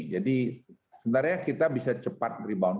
jadi sebenarnya kita bisa cepat rebound